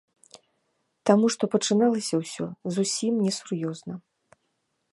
Таму што пачыналася ўсё зусім несур'ёзна.